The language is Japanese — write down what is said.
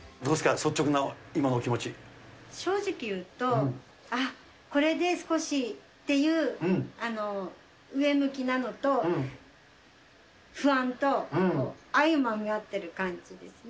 率直な今のお気正直言うと、あっ、これで少し、っていう上向きなのと、不安と、相まみ合ってる感じですね。